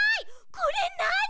これなに？